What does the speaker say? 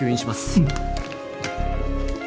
うん。